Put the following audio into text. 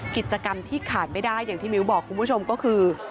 กิจกรรมที่ขาดไม่ได้อย่างที่มิ้วบอกคุณผู้ชมก็คือ